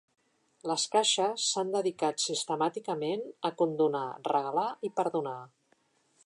Les caixes s’han dedicat sistemàticament a condonar, regalar i perdonar.